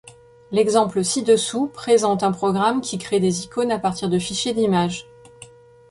L'exemple ci-dessous présente un programme qui crée des icônes à partir de fichiers d'images.